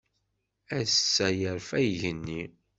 Ass-a yesfa Igenni.